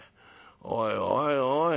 おいおいおい。